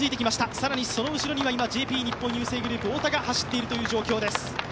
更にその後ろにはＪＰ日本郵政グループの太田が走っている状況です。